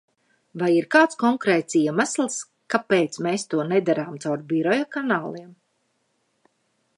Vai ir kāds konkrēts iemesls, kāpēc mēs to nedarām caur biroja kanāliem?